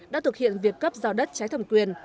đã thực hiện việc cấp giao đất trái thẩm quyền